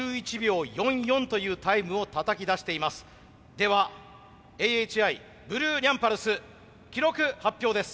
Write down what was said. ではＡエイチアイブルーニャンパルス記録発表です。